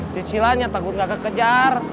cicilannya takut nggak kekejar